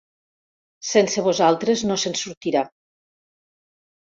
Sense vosaltres no se'n sortirà».